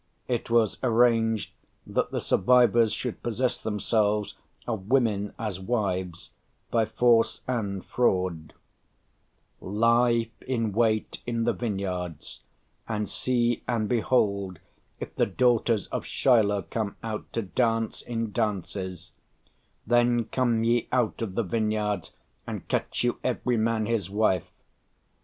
it was arranged that the survivors should possess themselves of women as wives by force and fraud: "Life in wait in the vineyards, and see and behold if the daughters of Shiloh come out to dance in dances, then come ye out of the vineyards, and catch you every man his wife....